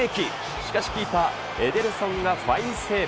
しかしキーパー、エメルソンがファインセーブ。